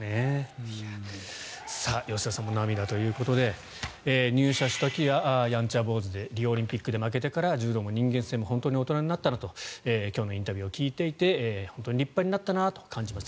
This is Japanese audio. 吉田さんも涙ということで入社した時はやんちゃ坊主でリオオリンピックで負けてから柔道も人間性も本当に大人になったなと今日のインタビューを聞いていて本当に立派になったなと感じました。